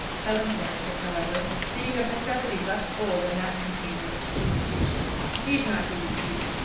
Helen's narrative, however, being of necessity less full then that contained in the preceding pages, need not be repeated.